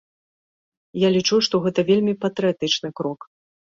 Я лічу, што гэта вельмі патрыятычны крок.